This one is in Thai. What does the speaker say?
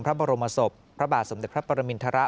พระบรมศพพระบาทสมเด็จพระปรมินทร